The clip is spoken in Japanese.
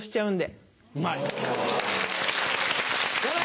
うまい。